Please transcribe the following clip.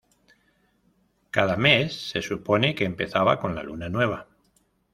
Cada mes se supone que empezaba con la luna nueva.